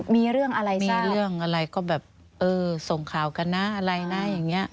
มีเรื่องอะไรนะมีเรื่องอะไรก็แบบเออส่งข่าวกันนะอะไรนะอย่างนี้